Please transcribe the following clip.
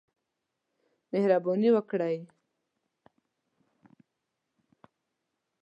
مهرباني وکړئ